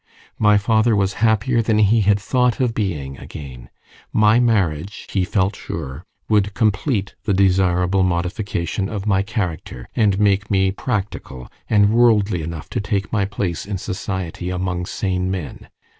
My father was happier than he had thought of being again: my marriage, he felt sure, would complete the desirable modification of my character, and make me practical and worldly enough to take my place in society among sane men.